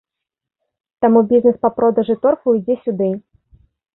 Таму бізнес па продажы торфу ідзе сюды.